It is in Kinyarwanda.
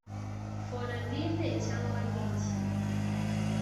Fora ndi nde cyangwa ndi iki